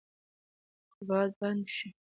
که باد بند شي، موږ به د سیند پر لور حرکت وکړو.